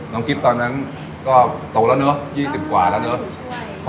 กิ๊บตอนนั้นก็โตแล้วเนอะ๒๐กว่าแล้วเนอะ